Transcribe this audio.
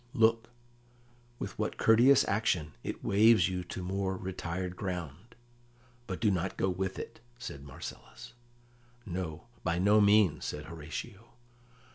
"Look, with what courteous action it waves you to more retired ground. But do not go with it," said Marcellus. "No, by no means," said Horatio.